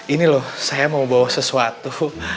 ini loh saya mau bawa sesuatu